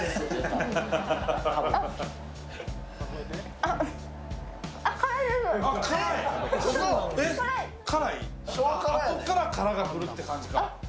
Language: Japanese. あとから辛がくるって感じか！